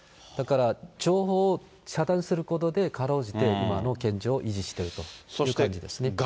だから情報を遮断することで、かろうじて今の現状を維持しているという感じですね。